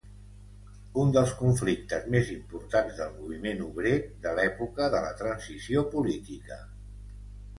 Un dels conflictes més importants del moviment obrer de l'època de la Transició política.